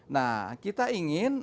nah kita ingin